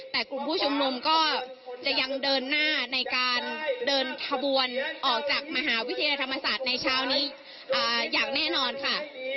แต่กลุ่มผู้ชมนุมก็จะยังเดินหน้าในการเดินขบวนออกจากมหาวิทยาลัยธรรมศาสตร์ในเช้านี้อย่างแน่นอนค่ะ